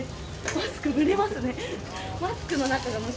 マスク、蒸れますね。